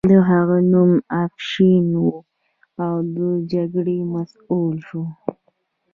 د هغه نوم افشین و او د جګړې مسؤل شو.